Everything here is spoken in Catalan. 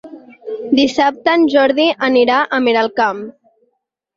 Dissabte en Jordi anirà a Miralcamp.